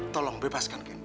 tolong bebaskan candy